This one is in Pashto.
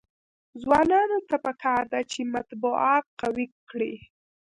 ځوانانو ته پکار ده چې، مطبوعات قوي کړي.